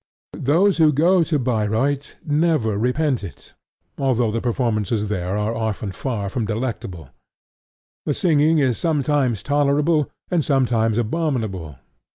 Those who go to Bayreuth never repent it, although the performances there are often far from delectable. The singing is sometimes tolerable, and sometimes abominable.